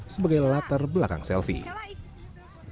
sebagai latar belakang selfie